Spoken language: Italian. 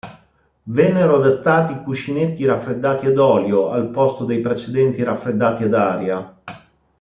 Vennero adottati cuscinetti raffreddati ad olio al posto dei precedenti raffreddati ad aria.